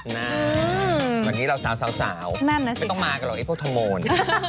น่าตอนนี้เราสาวไม่ต้องมากันหรอกไอ้พวกทมนต์